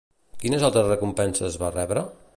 Quines altres recompenses va rebre?